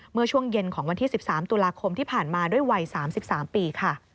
เมื่อช่วงเย็นของวันที่๑๓ตุลาคมที่ผ่านมาด้วยวัย๓๓ปีค่ะ